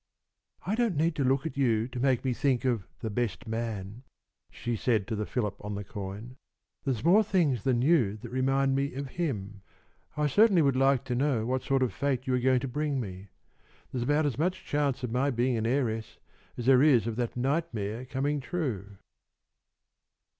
"I don't need to look at you to make me think of the Best Man," she said to the Philip on the coin. "There's more things than you that remind me of him. I certainly would like to know what sort of a fate you are going to bring me. There's about as much chance of my being an heiress as there is of that nightmare coming true."